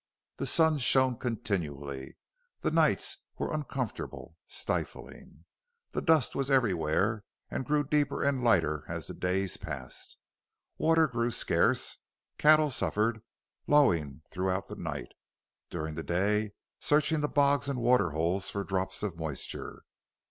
The sun shone continually; the nights were uncomfortable, stifling. The dust was everywhere and grew deeper and lighter as the days passed. Water grew scarce; cattle suffered, lowing throughout the night, during the day searching the bogs and water holes for drops of moisture.